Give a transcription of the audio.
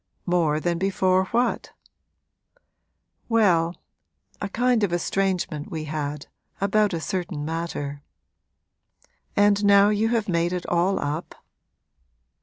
'More than before what?' 'Well, a kind of estrangement we had, about a certain matter.' 'And now you have made it all up?'